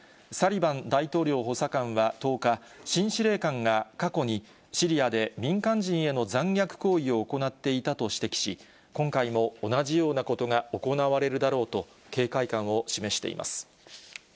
サリバン大統領補佐官は１０日、新司令官が過去にシリアで民間人への残虐行為を行っていたと指摘し、今回も同じようなことが行われるだろうと、警戒感を示しています。